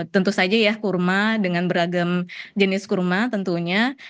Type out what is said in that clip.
tentu saja ya kurma dengan beragam jenis kurma tentunya